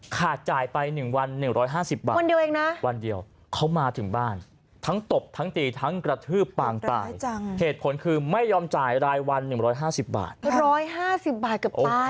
กาจจ่ายไป๑วัน๑๕๐บาทเองนะวันเดียวเขามาถึงบ้านถ้างตบทั้งตีถั้งกระทืบปางป่ายจังเหตุผลคือไม่ยอมจ่ายรายวัล๑๕๐บาท๑๕๐บาท